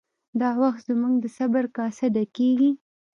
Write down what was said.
دا وخت زموږ د صبر کاسه ډکیږي